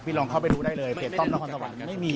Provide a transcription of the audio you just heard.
พี่ลองเข้าไปดูได้เลยเพจต้อมนรสรวรรษิไม่มี